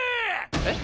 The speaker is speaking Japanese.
えっ？